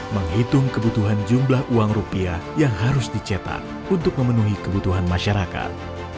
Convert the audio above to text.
menghitung kebutuhan jumlah uang rupiah yang harus dicetak untuk memenuhi kebutuhan masyarakat